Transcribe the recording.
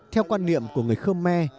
theo quan niệm của người khơ me